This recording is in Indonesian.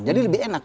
jadi lebih enak